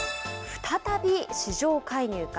再び市場介入か。